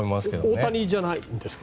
大谷じゃないんですか？